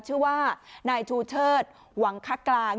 ชื่อว่านายชูเชิดหวังคกลาง